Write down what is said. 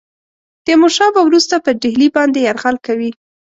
تیمور شاه به وروسته پر ډهلي باندي یرغل کوي.